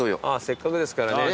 せっかくですからね。